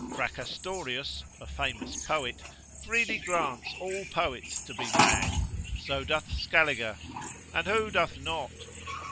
Fracastorius, a famous poet, freely grants all poets to be mad; so doth Scaliger; and who doth not?